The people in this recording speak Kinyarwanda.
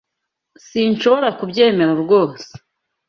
Sinshobora kubyemera rwose